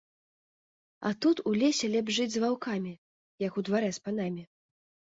А тут у лесе лепш жыць з ваўкамі, як у дварэ з панамі.